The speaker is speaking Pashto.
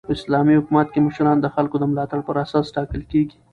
په اسلامي حکومت کښي مشران د خلکو د ملاتړ پر اساس ټاکل کیږي.